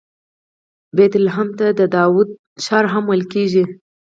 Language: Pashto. بیت لحم ته د داود ښار هم ویل کیږي.